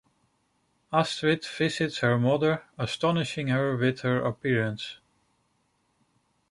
Astrid visits her mother, astonishing her with her appearance.